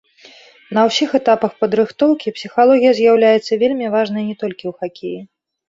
На ўсіх этапах падрыхтоўкі псіхалогія з'яўляецца вельмі важнай не толькі ў хакеі.